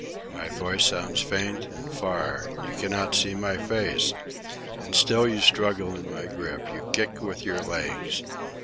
My voice sounds faint and far. You cannot see my face. And still you struggle in my grip. You kick with your legs.